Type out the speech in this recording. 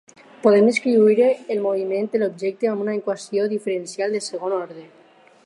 Podem descriure el moviment de l'objecte amb una equació diferencial de segon ordre.